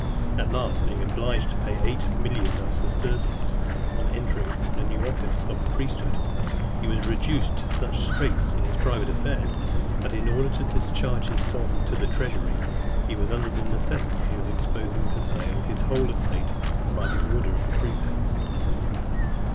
At last, being obliged to pay eight millions of sesterces on entering upon a new office of priesthood, he was reduced to such straits in his private affairs, that in order to discharge his bond to the treasury, he was under the necessity of exposing to sale his whole estate, by an order of the prefects.